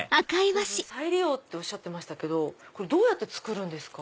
再利用とおっしゃってましたけどこれどうやって作るんですか？